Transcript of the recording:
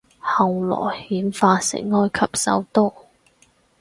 後來演化成埃及首都